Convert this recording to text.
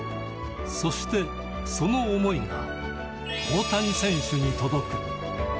そして、その思いが大谷選手に届く。